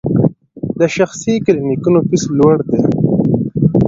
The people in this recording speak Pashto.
د شخصي کلینیکونو فیس لوړ دی؟